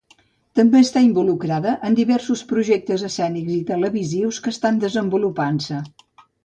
També està involucrada en diversos projectes escènics i televisius que estan desenvolupant-se.